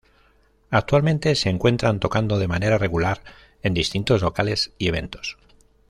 Actualmente se encuentran tocando de manera regular en distintos locales y eventos.